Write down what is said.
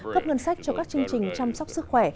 cấp ngân sách cho các chương trình chăm sóc sức khỏe